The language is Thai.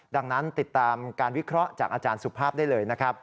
ดังนั้นติดตามการวิเคราะห์จากอาจารย์สุภาพได้เลยนะครับ